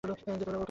ওরকম কেন করছেন?